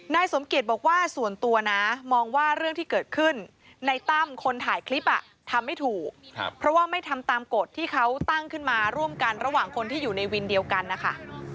นายสมเกียจบอกว่าส่วนตัวนะมองว่าเรื่องที่เกิดขึ้นในตั้มคนถ่ายคลิปทำไม่ถูกเพราะว่าไม่ทำตามกฎที่เขาตั้งขึ้นมาร่วมกันระหว่างคนที่อยู่ในวินเดียวกันนะคะ